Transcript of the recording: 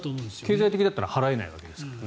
経済的だったら払えないわけですから。